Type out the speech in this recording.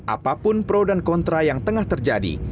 apapun pro dan kontra yang tengah terjadi